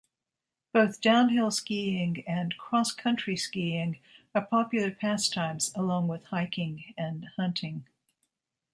Both downhill skiing and cross-country skiing are popular pastimes along with hiking and hunting.